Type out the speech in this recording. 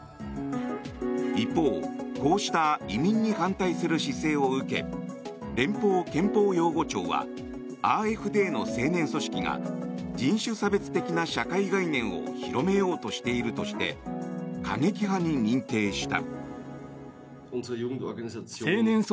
一方、こうした移民に反対する姿勢を受け連邦憲法擁護庁はＡｆＤの青年組織が人権差別的な社会概念を広めようとしているとして過激派に認定した。